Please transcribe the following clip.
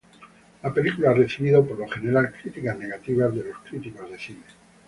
La película ha recibido por lo general críticas negativas de los críticos de cine.